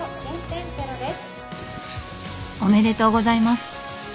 おめでとうございます。